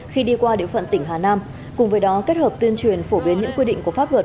khi đi qua địa phận tỉnh hà nam cùng với đó kết hợp tuyên truyền phổ biến những quy định của pháp luật